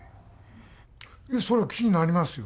そりゃ気になりますよ。